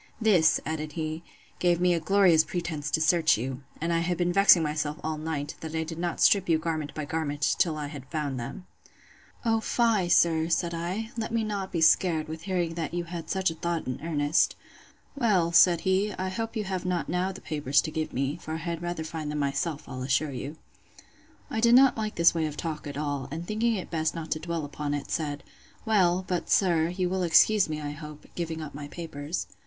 This, added he, gave me a glorious pretence to search you; and I have been vexing myself all night, that I did not strip you garment by garment, till I had found them. O fie, sir, said I; let me not be scared, with hearing that you had such a thought in earnest. Well, said he, I hope you have not now the papers to give me; for I had rather find them myself, I'll assure you. I did not like this way of talk at all; and thinking it best not to dwell upon it, said, Well, but, sir, you will excuse me, I hope, giving up my papers.